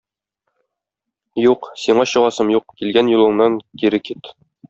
Юк, сиңа чыгасым юк, килгән юлыңнан кире кит.